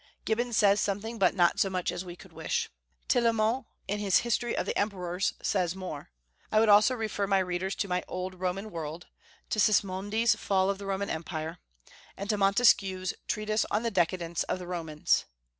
Gibbon says something, but not so much as we could wish. Tillemont, in his History of the Emperors, says more. I would also refer my readers to my "Old Roman World," to Sismondi's Fall of the Roman Empire, and to Montesquieu's treatise on the Decadence of the Romans.